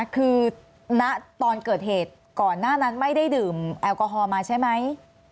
คือณตอนเกิดเหตุก่อนหน้านั้นไม่ได้ดื่มแอลกอฮอล์มาใช่ไหม